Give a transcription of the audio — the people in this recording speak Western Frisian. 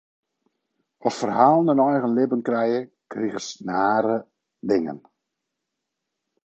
As ferhalen in eigen libben krije, krigest rare dingen.